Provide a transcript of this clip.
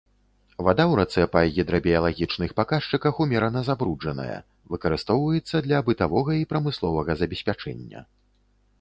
Вада ў рацэ па гідрабіялагічных паказчыках умерана забруджаная, выкарыстоўваецца для бытавога і прамысловага забеспячэння.